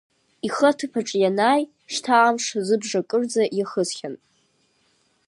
Ихы аҭыԥ аҿы ианааи шьҭа амш азыбжа кырӡа иахысхьан.